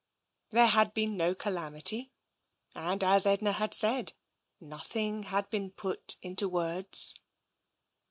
There had been no calamity, and, as Edna had said, nothing had been put into words.